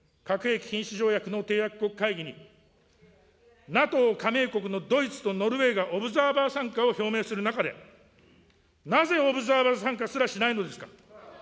核兵器禁止条約の締約国会議に、ＮＡＴＯ加盟国のドイツとノルウェーがオブザーバー参加を表明する中で、なぜオブザーバー参加すらしないのですか。